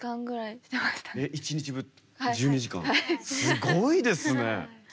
すごいですね！